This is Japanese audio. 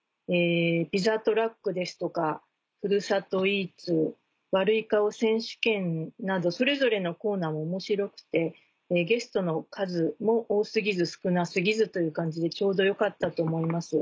ピザトラックですとかふるさとイーツ悪い顔選手権などそれぞれのコーナーも面白くてゲストの数も多過ぎず少な過ぎずという感じでちょうどよかったと思います。